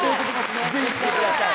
是非来てください